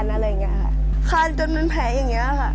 คาวประสบความพังจนเป็นแผงอย่างนี้